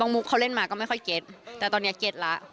มุกเขาเล่นมาก็ไม่ค่อยเก็ตแต่ตอนนี้เก็ตแล้ว